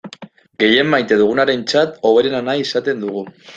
Gehien maite dugunarentzat hoberena nahi izaten dugu.